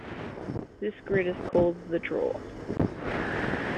This grid is called the "Draw".